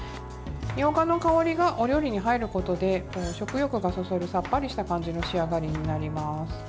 みょうがの香りがお料理に入ることで食欲がそそるさっぱりした感じの仕上がりになります。